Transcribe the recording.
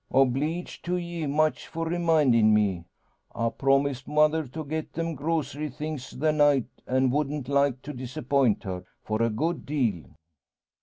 Obleeged to ye much for remindin' me. I promised mother to get them grocery things the night, and wouldn't like to disappoint her for a good deal."